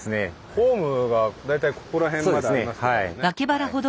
ホームが大体ここら辺までありますもんね。